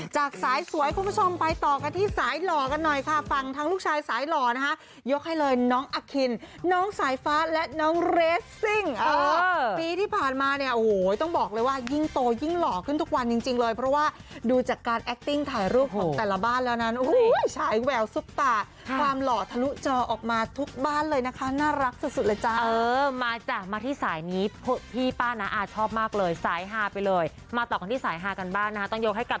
จากสายสวยคุณผู้ชมไปต่อกันที่สายหลอกันหน่อยค่ะ